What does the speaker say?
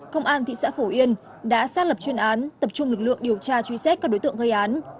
công an thị xã phổ yên đã xác lập chuyên án tập trung lực lượng điều tra truy xét các đối tượng gây án